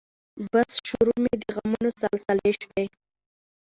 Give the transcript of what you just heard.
بس شروع مې د غمونو سلسلې شوې